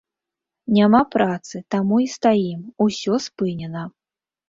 Няма працы, таму і стаім, ўсё спынена.